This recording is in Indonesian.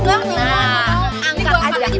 nah angkat aja